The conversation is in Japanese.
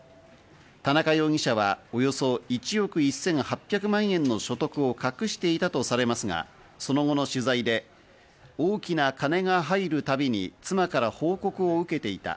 田中容疑者はおよそ１億１８００万円の所得を隠していたとされますが、その後の取材で大きな金が入るたびに妻から報告を受けていた。